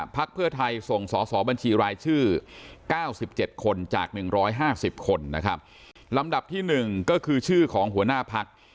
พักเพื่อไทยส่งสอสอบัญชีรายชื่อ๙๗คนจาก๑๕๐คนนะครับลำดับที่๑ก็คือชื่อของหัวหน้าพัก